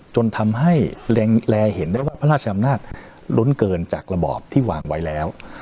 จนทำให้แรงเห็นได้ว่าพระราชอำนาจลุ้นเกินจากระบอบที่วางไว้แล้ว